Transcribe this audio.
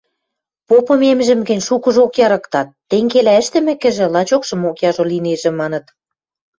Попымемжӹм гӹнь шукыжок ярыктат: «Тенгелӓ ӹштӹмӹкӹжӹ, лачокшымок яжо линежӹ», – маныт.